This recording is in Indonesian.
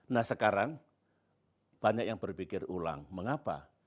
nah sekarang banyak yang berpikir ulang mengapa